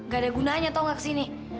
gak ada gunanya tau gak kesini